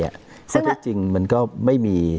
ข้อเท็จจริงมันก็ไม่มี